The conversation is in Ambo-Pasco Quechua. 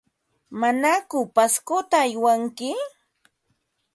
¿Manaku Pascota aywanki?